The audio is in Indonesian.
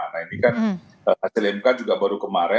nah ini kan hasil mk juga baru kemarin